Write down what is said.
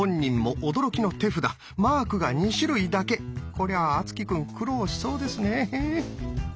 こりゃ敦貴くん苦労しそうですね。